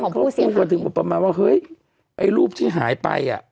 หรือแม้กระทั่งเขาพูดว่าถึงประมาณว่าเฮ้ยไอ้รูปที่หายไป